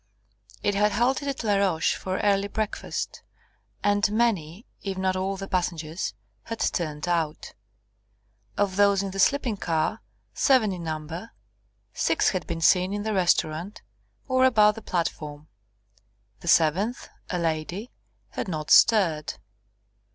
It had halted at Laroche for early breakfast, and many, if not all the passengers, had turned out. Of those in the sleeping car, seven in number, six had been seen in the restaurant, or about the platform; the seventh, a lady, had not stirred.